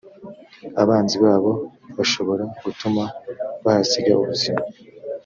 abanzi babo bashobora gutuma bahasiga ubuzima .